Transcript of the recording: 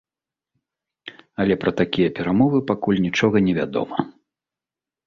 Але пра такія перамовы пакуль нічога не вядома.